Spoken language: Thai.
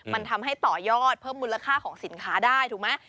มันทำให้ต่อยอดเพิ่มมูลค่าของสินค้าได้ถูกไหม